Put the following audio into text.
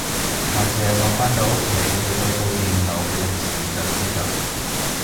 或者我返到屋企睇睇部電腦嘅歷史就知道